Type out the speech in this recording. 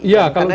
ya kalau dilihat